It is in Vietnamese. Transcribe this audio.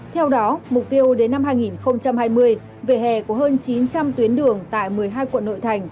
theo đó mục tiêu đến năm hai nghìn hai mươi vỉa hè của hơn chín trăm linh tuyến đường tại một mươi hai quận nội thành